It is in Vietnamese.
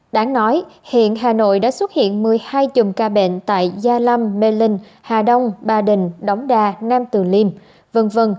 đáng nói hiện hà nội đã xuất hiện một mươi hai chùm ca bệnh tại gia lâm mê linh hà đông ba đình đống đa nam từ liêm v v